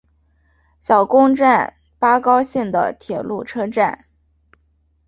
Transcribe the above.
小宫站八高线的铁路车站。